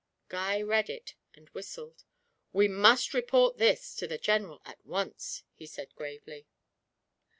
Guy read it and whistled. 'We must report this to the General at once,' he said gravely.